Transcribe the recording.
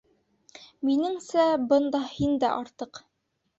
Минеңсә, бында һин дә артыҡ.